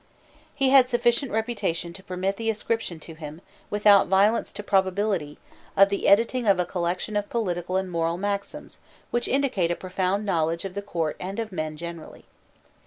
He had sufficient reputation to permit the ascription to him, without violence to probability, of the editing of a collection of political and moral maxims which indicate a profound knowledge of the court and of men generally.